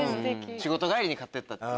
仕事帰りに買ってった。